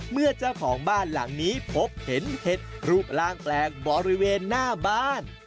เมื่อเจ้าของบ้านหลังนี้พบเห็นเห็ดรูปร่างแปลกบริเวณหน้าบ้าน